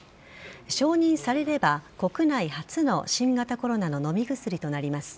承認されれば国内初の新型コロナの飲み薬となります。